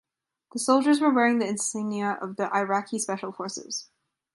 The soldiers were wearing the insignia of the Iraqi Special Forces.